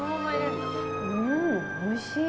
うんおいしい！